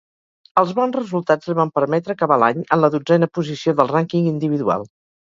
Els bons resultats li van permetre acabar l'any en la dotzena posició del rànquing individual.